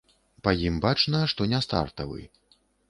Па ім бачна, што не стартавы.